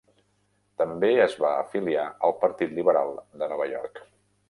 També es va afiliar al Partit liberal de Nova York.